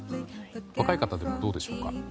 若い方でも、どうでしょうか？